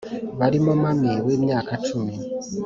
barimo mami w’imyaka icumi